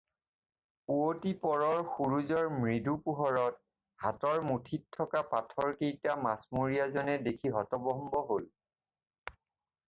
পুৱতি পৰৰ সূৰুযৰ মৃদু পোহৰত, হাতৰ মুঠিত থকা পাথৰকেইটা মাছমৰীয়াজনে দেখি হতভম্ব হ'ল।